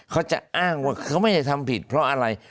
เขาจะอ้างว่าเขาไม่ได้ทำผิดเพราะอะไร